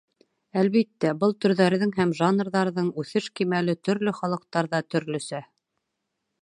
Әлбиттә, был төрҙәрҙең һәм жанрҙарҙың үҫеш кимәле төрлө халыҡтарҙа төрлөсә.